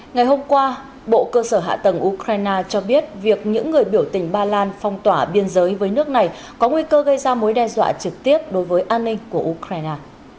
ngày hôm qua bộ cơ sở hạ tầng ukraine cho biết việc những người biểu tình ba lan phong tỏa biên giới với nước này có nguy cơ gây ra mối đe dọa trực tiếp đối với an ninh của ukraine